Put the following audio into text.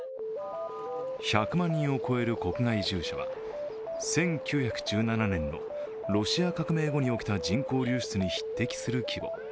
１００万人を超える国外移住者は１９１７年のロシア革命後に起きた人口流出に匹敵する規模。